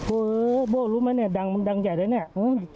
โอ้โฮโบ๊ครู้ไหมเนี่ยดังใหญ่แล้วเนี่ย